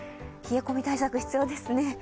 冷え込み対策、必要ですね。